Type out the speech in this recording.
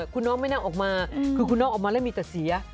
คุณน้องไม่นั่งออกมาคือคุณน้องออกมาแล้วมีแต่เสีย